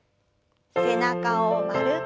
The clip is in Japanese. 背中を丸く。